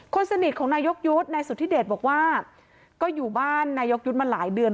คนสนิทของนายกยุทธ์นายสุธิเดชบอกว่าก็อยู่บ้านนายกยุทธ์มาหลายเดือน